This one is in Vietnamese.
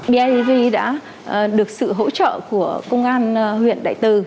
biav đã được sự hỗ trợ của công an huyện đại tư